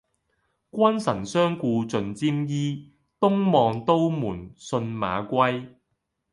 君臣相顧盡沾衣，東望都門信馬歸。